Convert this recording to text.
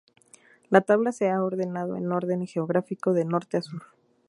La tabla se ha ordenado en orden geográfico, de norte a sur.